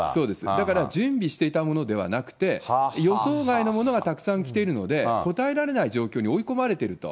だから準備していたものではなくて、予想外のものがたくさん来ているので、答えられない状況に追い込まれてると。